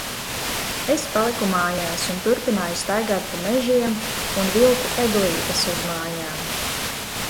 Es paliku mājās un turpināju staigāt pa mežiem un vilku eglītes uz mājām.